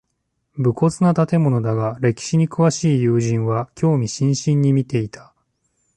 無骨な建物だが歴史に詳しい友人は興味津々に見ていた